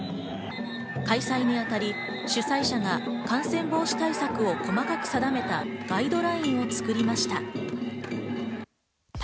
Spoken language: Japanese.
開催に当たり、主催者が感染防止対策を細かく定めたガイドラインを作りました。